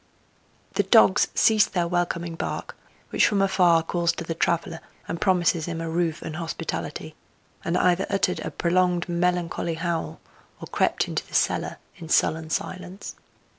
The dogs ceased their welcoming bark, which from afar calls to the traveller and promises him a roof and hospitality, and either uttered a prolonged melancholy howl, or crept into the cellar in sullen silence.